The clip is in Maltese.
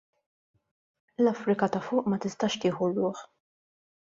L-Afrika ta' Fuq ma tistax tieħu r-ruħ.